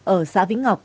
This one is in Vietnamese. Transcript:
ở xã vĩnh ngọc